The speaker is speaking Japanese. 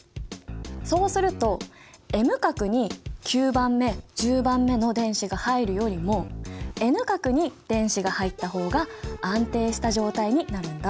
そうするとＭ殻に９番目１０番目の電子が入るよりもＮ殻に電子が入った方が安定した状態になるんだ。